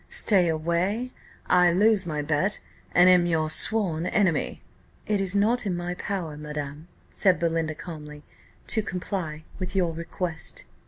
Stay away, I lose my bet, and am your sworn enemy." "It is not in my power, madam," said Belinda, calmly, "to comply with your request."